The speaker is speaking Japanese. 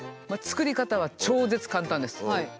作り方は超絶簡単です。